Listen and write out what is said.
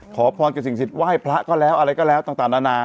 ขอพรกับสิ่งสิทธิไหว้พระก็แล้วอะไรก็แล้วต่างนานา